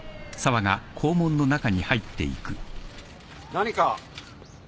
・何か？